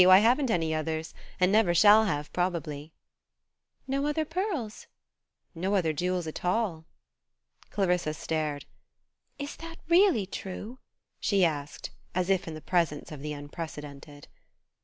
I haven't any others and never shall have, probably." "No other pearls?" "No other jewels at all." Clarissa stared. "Is that really true?" she asked, as if in the presence of the unprecedented.